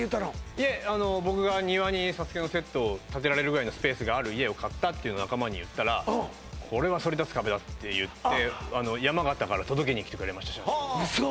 いえあの僕が庭にＳＡＳＵＫＥのセットを建てられるぐらいのスペースがある家を買ったっていうの仲間に言ったらこれはそり立つ壁だっていって山形から届けにきてくれましたウソ！